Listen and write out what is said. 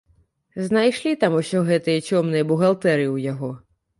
Знайшлі там усё гэтыя цёмныя бухгалтэрыі ў яго.